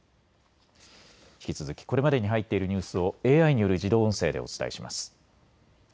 引き続きこれまでに入っているニュースをＡＩによる自動音声でお伝えします。